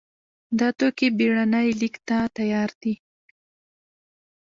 دا توکي بېړنۍ لېږد ته تیار دي.